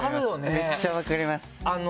めっちゃ分かります。